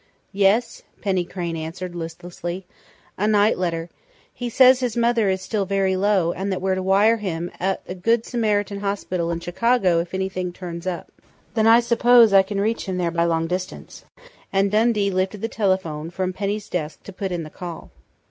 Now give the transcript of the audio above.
"Yes," Penny Crain answered listlessly. "A night letter. He says his mother is still very low and that we're to wire him at the Good Samaritan Hospital in Chicago if anything turns up." "Then I suppose I can reach him there by long distance," and Dundee lifted the telephone from Penny's desk to put in the call.